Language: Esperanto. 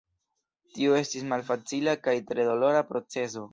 Tio estis malfacila kaj tre dolora procezo.